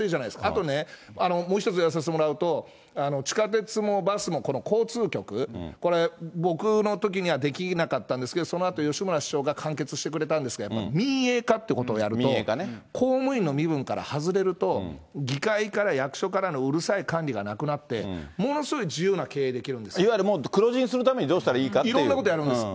あとね、もう１つ言わせてもらうと、地下鉄もバスも交通局、これ、僕のときにはできなかったんですけれども、そのあと吉村市長が完結してくれたんですけど、やっぱり民営化ということをやると、公務員の身分から外れると、議会から役所からのうるさい管理がなくなって、ものすごい自由な経営できるんですいわゆるもう黒字にするためいろんなことやるんです。